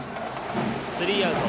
スリーアウト。